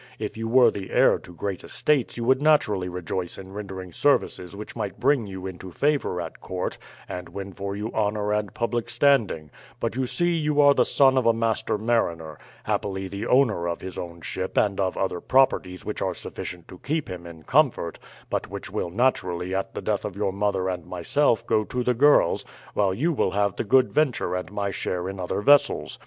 If you were the heir to great estates you would naturally rejoice in rendering services which might bring you into favour at court, and win for you honour and public standing; but you see you are the son of a master mariner, happily the owner of his own ship and of other properties which are sufficient to keep him in comfort, but which will naturally at the death of your mother and myself go to the girls, while you will have the Good Venture and my share in other vessels.